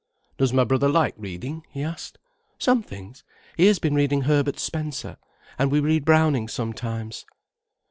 "Does my brother like reading?" he asked. "Some things. He has been reading Herbert Spencer. And we read Browning sometimes."